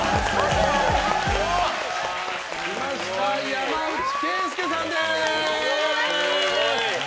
山内惠介さんです！